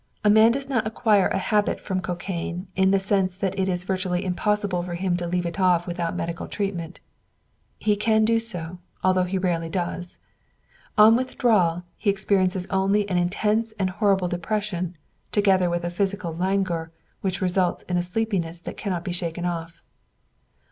A man does not acquire a habit from cocaine in the sense that it is virtually impossible for him to leave it off without medical treatment. He can do so, although he rarely does. On withdrawal, he experiences only an intense and horrible depression, together with a physical languor which results in a sleepiness that cannot be shaken off.